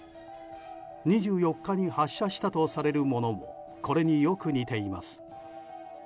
２４日に発射したとされるものもこれによく似ています。